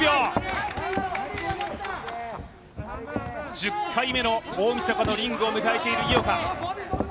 １０回目の大みそかのリングを迎えている井岡。